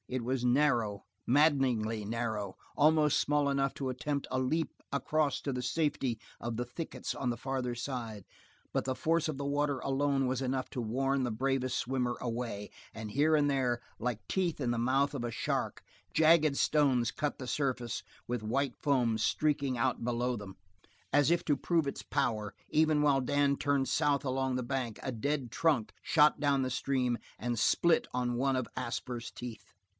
It was narrow, maddeningly narrow, almost small enough to attempt a leap across to the safety of the thickets on the farther side, but the force of the water alone was enough to warn the bravest swimmer away, and here and there, like teeth in the mouth of the shark, jagged stones cut the surface with white foam streaking out below them; as if to prove its power, even while Dan turned South along the bank a dead trunk shot down the stream and split on one of the Asper's teeth.